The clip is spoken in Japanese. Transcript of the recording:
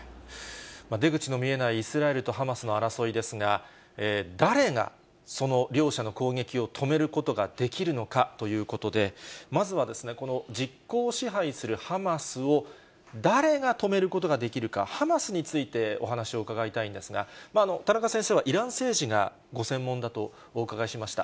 出口の見えないイスラエルとハマスの争いですが、誰がその両者の攻撃を止めることができるのかということで、まずはこの実効支配するハマスを誰が止めることができるか、ハマスについてお話を伺いたいんですが、田中先生はイラン政治がご専門だとお伺いしました。